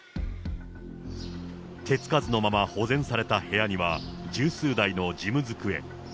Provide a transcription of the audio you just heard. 手つかずのまま保全された部屋には十数台の事務机。